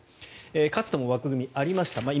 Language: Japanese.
かつても枠組み、ありました。